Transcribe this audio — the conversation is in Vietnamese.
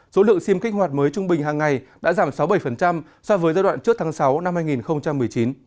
số lượng sim kích hoạt mới trung bình hàng ngày đã giảm sáu mươi bảy so với giai đoạn trước tháng sáu năm hai nghìn một mươi chín